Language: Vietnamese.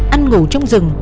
ăn ngủ trong rừng